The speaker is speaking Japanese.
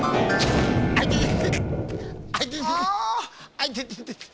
あいてててて。